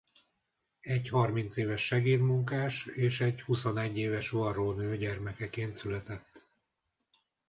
Egy harmincéves segédmunkás és egy huszonegy éves varrónő gyermekeként született.